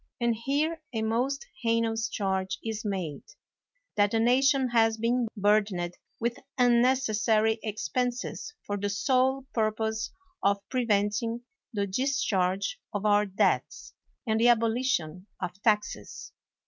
And here a most hei nous charge is made, that the nation has been burdened with unnecessary expenses for the sole purpose of preventing the discharge of our debts and t «e abolition of taxes.